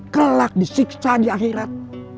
kelak disiksa di akhirat